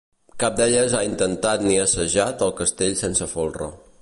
Cap d'elles ha intentat ni assajat el castell sense folre.